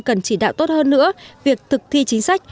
cần chỉ đạo tốt hơn nữa việc thực thi chính sách